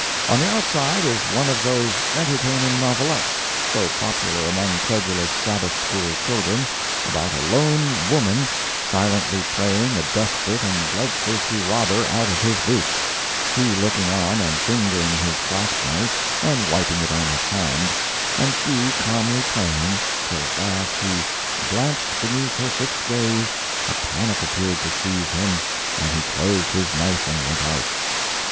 On the outside is one of those entertaining novelettes, so popular among credulous Sabbath school children, about a lone woman silently praying a desperate and blood thirsty robber out of his boots—he looking on and fingering his clasp knife and wiping it on his hand, and she calmly praying, till at last he "blanched beneath her fixed gaze, a panic appeared to seize him, and he closed his knife and went out."